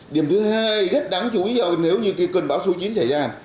điểm thứ hai rất đáng chú ý nếu như cơn bão số chín xảy ra